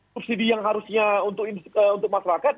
subsidi yang harusnya untuk masyarakat